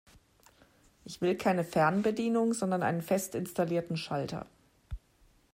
Ich will keine Fernbedienung, sondern einen fest installierten Schalter.